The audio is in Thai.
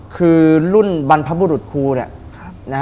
คือรุ่นบรรพบุรุษครูเนี่ย